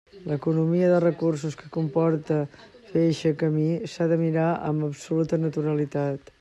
L'economia de recursos que comporta fer eixe camí s'ha de mirar amb absoluta naturalitat.